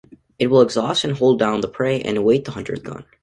It will exhaust and hold down the prey and await the hunter's gun.